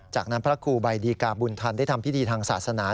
จากนั้นพระครูใบดีกาบุญธรรมได้ทำพิธีทางศาสนา